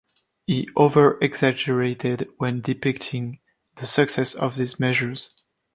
He overexaggerated when depicting the success of these measures.